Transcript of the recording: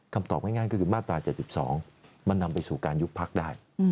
ตอบง่ายก็คือมาตรา๗๒มันนำไปสู่การยุบพักได้